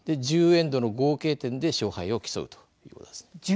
１０エンドの合計点で勝敗を競うということです。